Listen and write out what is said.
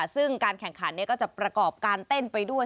ซึ่งการแข่งขันก็จะประกอบการเต้นไปด้วย